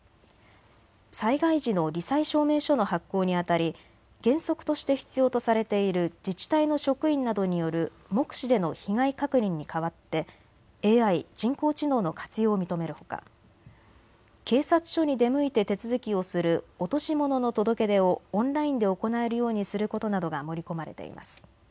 災害時のり災証明書の発行にあたり、原則として必要とされている自治体の職員などによる目視での被害確認に代わってＡＩ・人工知能の活用を認めるほか警察署に出向いて手続きをする落とし物の届け出をオンラインで行えるようにすることなどが盛り込まれています。